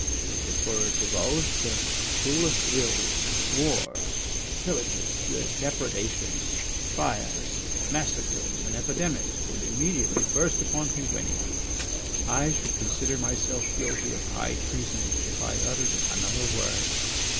If it were divulged the cruelest ills, wars, pillages, depredations, fires, massacres, and epidemics would immediately burst upon Penguinia. I should consider myself guilty of high treason if I uttered another word."